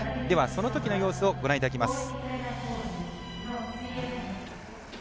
そのときの様子をご覧いただきます。